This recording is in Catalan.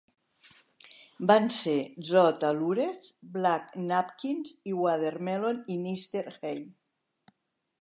Van ser Zoot Allures, Black Napkins i Watermelon in Easter Hay.